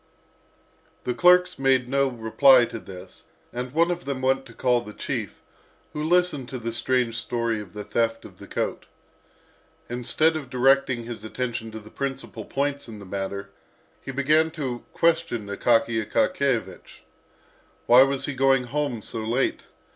The clerks dared make no reply to this, and one of them went to call the chief, who listened to the strange story of the theft of the coat. Instead of directing his attention to the principal points of the matter, he began to question Akaky Akakiyevich. Why was he going home so late?